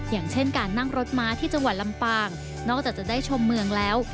อย่างเช่นการนั่งรถม้าที่จังหวัดลำปางนอกจากจะได้ชมเมืองแล้ว